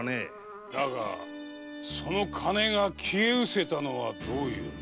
だがその金が消え失せたのはどういうことだ？